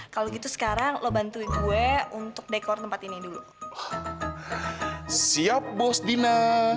kalau gitu sekarang lo bantuin gue untuk dekor tempat ini dulu siap bos dinne